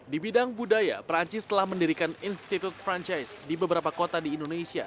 di bidang budaya perancis telah mendirikan institute franchise di beberapa kota di indonesia